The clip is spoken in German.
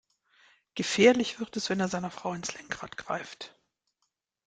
Gefährlich wird es, wenn er seiner Frau ins Lenkrad greift.